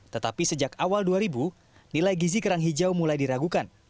tetapi sejak awal dua ribu nilai gizi kerang hijau mulai diragukan